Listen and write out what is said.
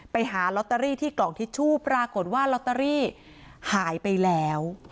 ไปหาลอตเตอรี่ที่กล่องทิชชู่ปรากฏว่าลอตเตอรี่หายไปแล้ว